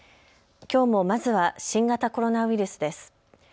きょうもまずは新型コロナウイルスです。